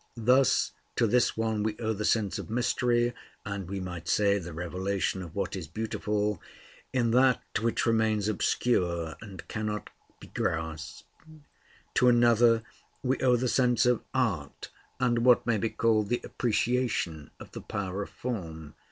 Thus, to this one we owe the sense of mystery, and we might say the revelation of what is beautiful, in that which remains obscure and cannot be grasped. To another we owe the sense of art, and what may be called the appreciation of the power of form.